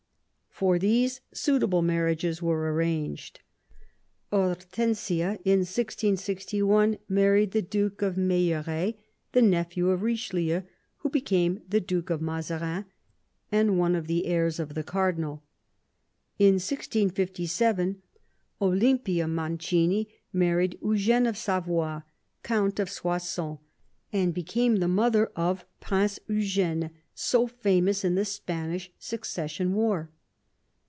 For these suitable marriages were arranged. Hortensia in 1661 married the Duke of Meilleraye, the nephew of Eichelieu, who became the Duke of Mazarin and one of the heirs of the cardinal. In 1657 Olympia Mancini married Eugene of Savoy, Count of Soissons, and became the mother of Prince Eugene, so famous in the Spanish Succession War.